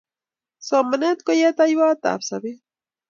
Somanet ko yeteiwat ab sobet